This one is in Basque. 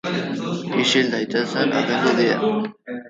Ixil daitezen agindu die.